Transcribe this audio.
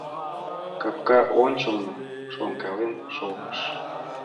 Капка ончылно шонкален шогыш.